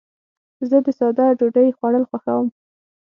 زه د ساده ډوډۍ خوړل خوښوم.